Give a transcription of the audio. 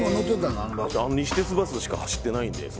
西鉄バスしか走ってないので。